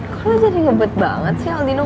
kok lo jadi ngebet banget sih aldino